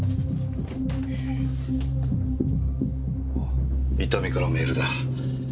あっ伊丹からメールだ。